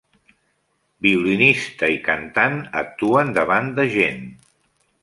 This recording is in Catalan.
Violinista i cantant actuen davant de gent.